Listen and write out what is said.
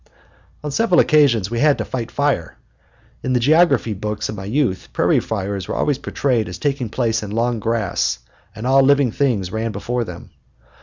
On several occasions we had to fight fire. In the geography books of my youth prairie fires were always portrayed as taking place in long grass, and all living things ran before them.